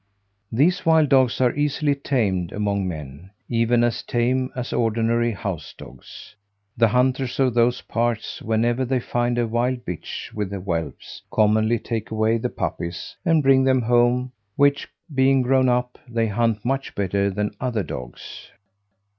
These wild dogs are easily tamed among men, even as tame as ordinary house dogs. The hunters of those parts, whenever they find a wild bitch with whelps, commonly take away the puppies, and bring them home; which being grown up, they hunt much better than other dogs.